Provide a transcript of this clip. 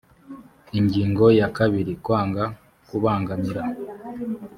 ingingo ya kabiri kwanga kubangamira